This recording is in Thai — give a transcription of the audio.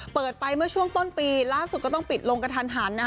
เปิดไปเมื่อช่วงต้นปีล่าสุดก็ต้องปิดลงกระทันหัน